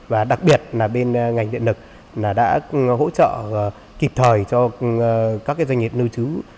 và đặc biệt là bên ngành điện lực đã hỗ trợ kịp thời cho các doanh nghiệp lưu trú